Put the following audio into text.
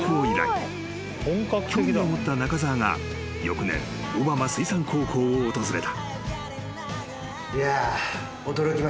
［興味を持った中沢が翌年小浜水産高校を訪れた］